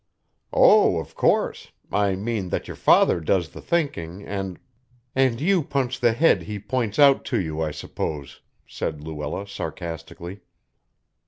"Oh, of course, I mean that your father does the thinking, and " "And you punch the head he points out to you, I suppose," said Luella sarcastically.